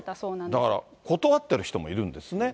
だから断ってる人もいるんですね。